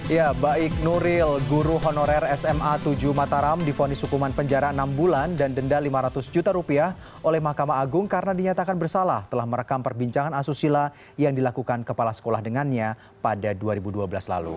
ya baik nuril guru honorer sma tujuh mataram difonis hukuman penjara enam bulan dan denda lima ratus juta rupiah oleh mahkamah agung karena dinyatakan bersalah telah merekam perbincangan asusila yang dilakukan kepala sekolah dengannya pada dua ribu dua belas lalu